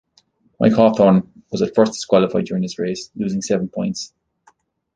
Mike Hawthorn was at first disqualified during this race, losing seven points.